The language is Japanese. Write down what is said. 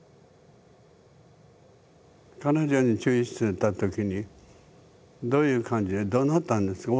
彼女に注意してた時にどういう感じでどなったんですか？